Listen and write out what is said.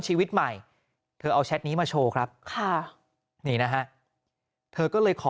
ชีวิตใหม่เธอเอาแชทนี้มาโชว์ครับค่ะนี่นะฮะเธอก็เลยขอ